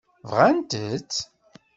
Bɣant-tt?